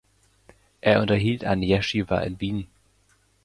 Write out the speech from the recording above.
Er unterhielt eine Jeschiwa in Wien.